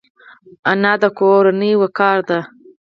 انا د کورنۍ وقار ده